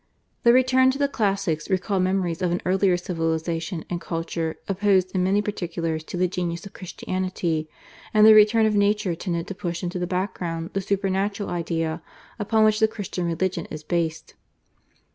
The return to the classics recalled memories of an earlier civilisation and culture opposed in many particulars to the genius of Christianity, and the return of nature tended to push into the background the supernatural idea upon which the Christian religion is based.